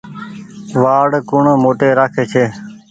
وآڙ ڪوڻ موٽي رآکي ڇي ۔